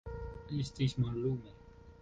Estis mallume.